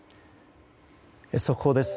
速報です。